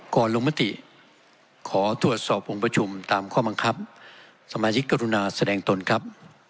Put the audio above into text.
ลงมติขอตรวจสอบองค์ประชุมตามข้อบังคับสมาชิกกรุณาแสดงตนครับ